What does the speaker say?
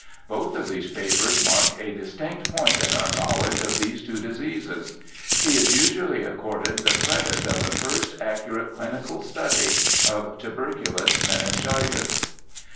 Both of these papers mark a distinct point in our knowledge of these two diseases. He is usually accorded the credit of the first accurate chnical study of tuberculous meningitis.